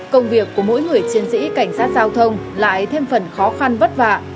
công việc của mỗi người chiến sĩ cảnh sát giao thông lại thêm phần khó khăn vất vả